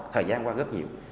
thời gian qua rất nhiều